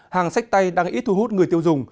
hàng sách tay đang ít thu hút người tiêu dùng